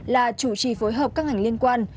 là chủ trì phối hợp các hành liên quan